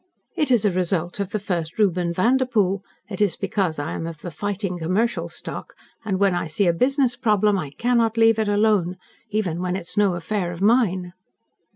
"It is a result of the first Reuben Vanderpoel. It is because I am of the fighting commercial stock, and, when I see a business problem, I cannot leave it alone, even when it is no affair of mine."